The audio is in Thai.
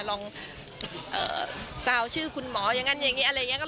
ลองซาวชื่อคุณหมออย่างนั้นอย่างนี้อะไรอย่างนี้